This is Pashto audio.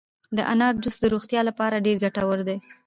د انارو جوس د روغتیا لپاره ډیر ګټور دي.